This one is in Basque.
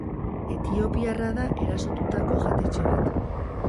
Etiopiarra da erasotutako jatetxe bat.